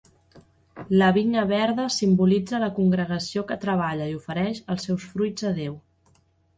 La vinya verda simbolitza la congregació que treballa i ofereix els seus fruits a Déu.